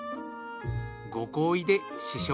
ご厚意で。